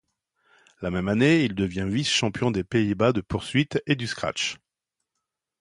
La même année, il devient vice-champion des Pays-Bas de poursuite et du scratch.